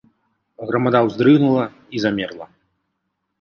Грамада ўздрыгнула і замерла.